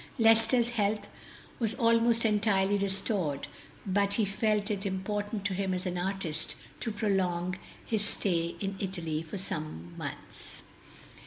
Lester's health was almost entirely restored, but he felt it important to him as an artist to prolong his stay in Italy for at least some months.